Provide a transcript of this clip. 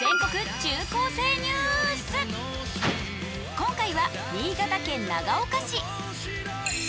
今回は新潟県長岡市。